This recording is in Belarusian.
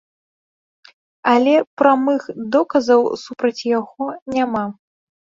Але прамых доказаў супраць яго няма.